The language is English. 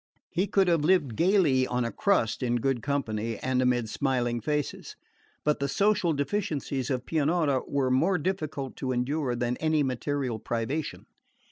He could have lived gaily on a crust in good company and amid smiling faces; but the social deficiencies of Pianura were more difficult to endure than any material privation.